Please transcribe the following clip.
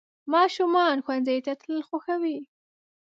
ماشومان ښوونځي ته تلل خوښوي.